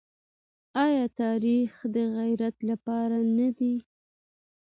ايا تاريخ د عبرت لپاره نه دی؟